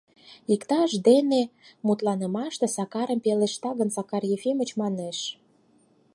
Иктаж дене мутланымаште Сакарым пелешта гын, «Захар Ефимыч» манеш.